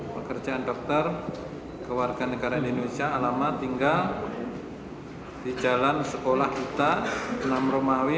pekerjaan dokter kewarganegaraan indonesia alamat tinggal di jalan sekolah kita enam romawi